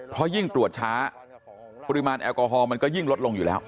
เพราะยิ่งตรวจช้าปริมาณแอลกอฮอลมันก็ยิ่งลดลงอยู่แล้ว